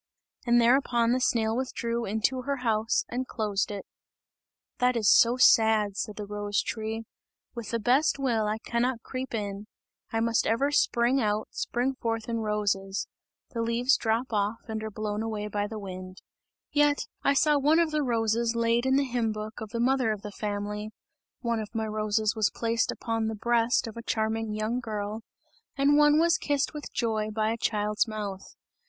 And thereupon the snail withdrew into her house and closed it. "That is so sad," said the rose tree, "with the best will, I cannot creep in, I must ever spring out, spring forth in roses. The leaves drop off and are blown away by the wind. Yet, I saw one of the roses laid in the hymn book of the mother of the family; one of my roses was placed upon the breast of a charming young girl, and one was kissed with joy by a child's mouth.